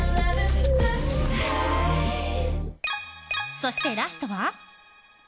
そして、ラストは。